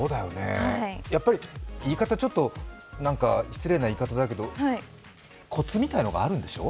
やっぱり、ちょっと、なんか失礼な言い方だけど、コツみたいなのがあるんでしょう？